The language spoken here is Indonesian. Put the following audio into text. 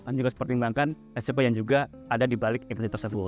dan juga seperti yang diperlukan s p yang juga ada dibalik investor safe world